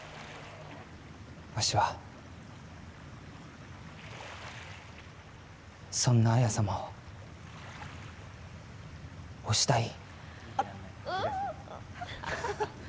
わしはそんな綾様をお慕い。